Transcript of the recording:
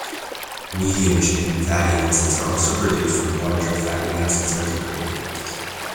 Medium-chain fatty acids are also produced when larger fatty acids are degraded.